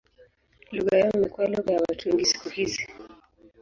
Lugha yao imekuwa lugha ya watu wengi siku hizi.